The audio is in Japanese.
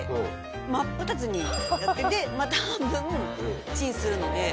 真っ二つにやってでまた半分チンするので。